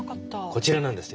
こちらなんですけどね。